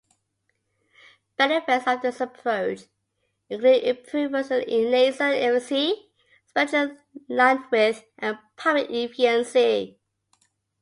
Benefits of this approach include improvements in laser efficiency, spectral linewidth, and pumping efficiency.